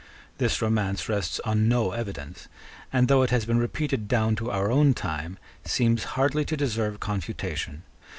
This romance rests on no evidence, and, though it has been repeated down to our own time, seems hardly to deserve confutation.